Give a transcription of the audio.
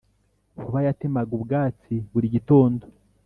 Nkuba yatemaga ubwatsi buri gitondo